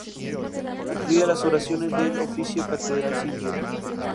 Incluía las oraciones del Oficio catedralicio festivo.